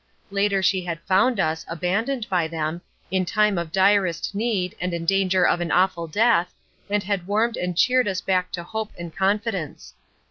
Later she had found us, abandoned by them, in time of direst need, and in danger of an awful death, and had warmed and cheered us back to hope and confidence.